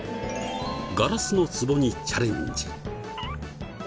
ガラスのツボにチャレンジ。